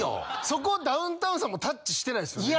そこダウンタウンさんもタッチしてないですよね？